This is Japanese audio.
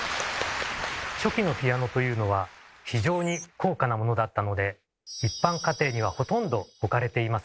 初期のピアノというのは非常に高価なものだったので一般家庭にはほとんど置かれていませんでした。